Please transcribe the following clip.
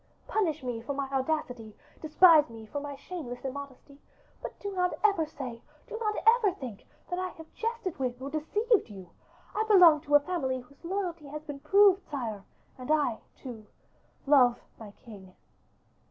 Punish me for my audacity, despise me for my shameless immodesty; but do not ever say, do not ever think, that I have jested with or deceived you. I belong to a family whose loyalty has been proved, sire, and I, too, love my king."